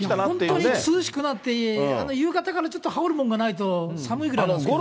本当に涼しくなって、夕方からちょっと羽織るものがないと寒いぐらいですけどね。